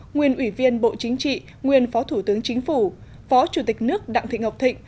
nguyên ủy viên bộ chính trị nguyên phó thủ tướng chính phủ phó chủ tịch nước đặng thị ngọc thịnh